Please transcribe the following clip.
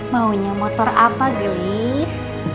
maunya motor apa gelis